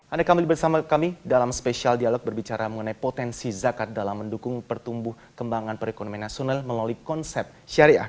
anda kembali bersama kami dalam spesial dialog berbicara mengenai potensi zakat dalam mendukung pertumbuhan kembangan perekonomian nasional melalui konsep syariah